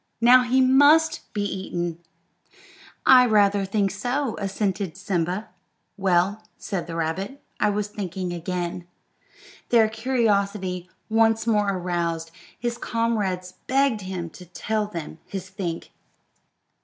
Now he must be eaten." "I rather think so," assented Simba. "Well," said the rabbit, "I was thinking again." Their curiosity once more aroused, his comrades begged him to tell them his think.